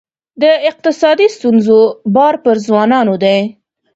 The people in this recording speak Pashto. د اقتصادي ستونزو بار پر ځوانانو دی.